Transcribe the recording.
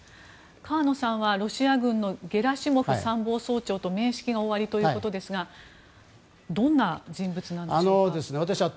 河野さんはロシア軍のゲラシモフ参謀総長と面識がおありということですがどんな人物なんでしょうか？